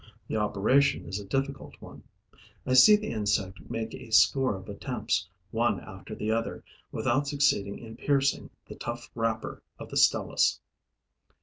The operation is a difficult one. I see the insect make a score of attempts, one after the other, without succeeding in piercing the tough wrapper of the Stelis.